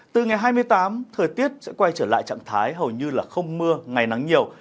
từ ngày hai mươi tám thời tiết sẽ quay trở lại trạng thái hầu như là không mưa ngày nắng nhiều